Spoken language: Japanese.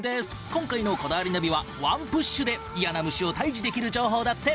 今回の『こだわりナビ』はワンプッシュで嫌な虫を退治できる情報だって！